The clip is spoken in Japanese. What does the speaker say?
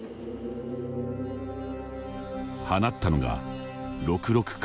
放ったのが６六角。